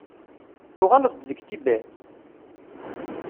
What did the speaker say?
Tuɣaleḍ-d deg Tibet?